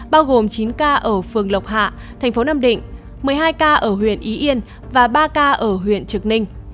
bao gồm chín ca ở phường lộc hạ thành phố nam định một mươi hai ca ở huyện ý yên và ba ca ở huyện trực ninh